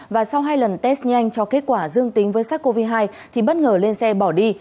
và sau hai lần test nhanh cho kết quả dương tính với sars cov hai thì bất ngờ lên xe bỏ đi